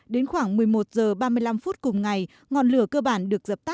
đến khoảng một mươi một h ba mươi năm phút cùng ngày ngọn lửa cơ bản được chữa cháy